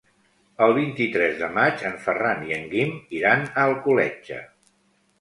El vint-i-tres de maig en Ferran i en Guim iran a Alcoletge.